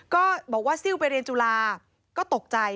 ก็บอกว่าซิลไปเรียนจุฬาก็ตกใจ